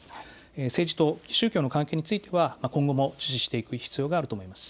政治と宗教の関係については今後も注視していく必要があると思います。